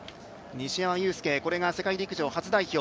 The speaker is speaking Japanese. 西山雄介、これが世界陸上初代表。